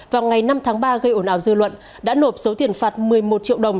vào ngày năm tháng ba gây ổn ảo dư luận đã nộp số tiền phạt một mươi một triệu đồng